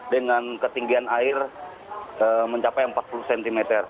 dengan ketinggian air mencapai empat puluh cm